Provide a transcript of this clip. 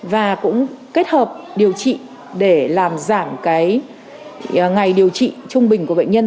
và cũng kết hợp điều trị để làm giảm cái ngày điều trị trung bình của bệnh nhân